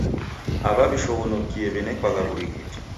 Aw'aw'ishoghonokie w'inekwagha w'urighiti.